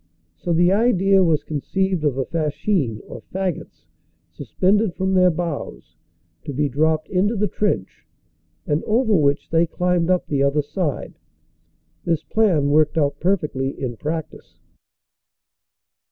So the idea was conceived of a fascine or faggots suspended from their bows, to be dropped into the trench, and over which they climbed up the other side. This plan worked out per fectly in practice.